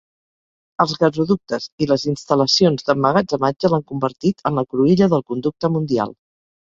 Els gasoductes i les instal·lacions d'emmagatzematge l'han convertit en la cruïlla del conducte mundial.